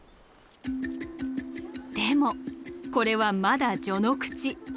でもこれはまだ序の口。